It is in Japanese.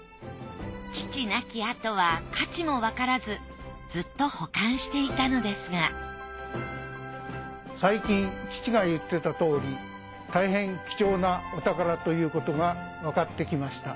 父亡き後は価値もわからずずっと保管していたのですが最近父が言ってたとおり大変貴重なお宝ということがわかってきました。